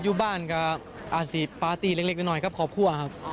อย่างงานอยู่บ้านกับปาร์ตี้เล็กนิดหน่อยครับขอบคุณครับ